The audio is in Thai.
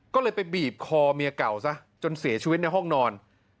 ก็เลยไปบีบคอเมียเก่าซะจนเสียชีวิตในห้องนอน